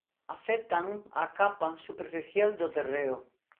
Afectan á capa superficial do terreo.